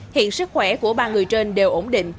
hiện sức khỏe của ba người trên đều ổn định